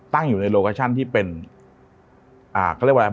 ตั้งอยู่ในโลโกชั่นที่เป็นอ่าเขาเรียกว่าอะไร